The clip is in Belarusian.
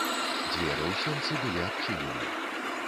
Дзверы ў сенцы былі адчынены.